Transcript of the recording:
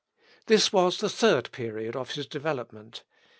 This was the third period of his development.